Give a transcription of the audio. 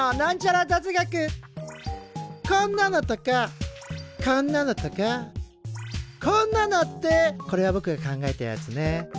こんなのとかこんなのとかこんなのってこれはぼくが考えたやつね。